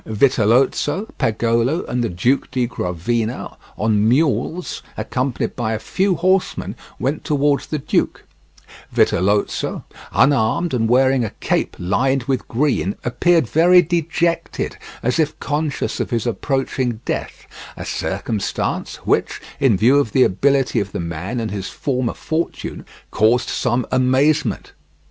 Vitellozzo, Pagolo, and the Duke di Gravina on mules, accompanied by a few horsemen, went towards the duke; Vitellozo, unarmed and wearing a cape lined with green, appeared very dejected, as if conscious of his approaching death—a circumstance which, in view of the ability of the man and his former fortune, caused some amazement.